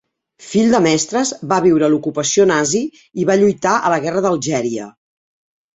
Fill de mestres, va viure l'ocupació nazi i va lluitar a la guerra d'Algèria.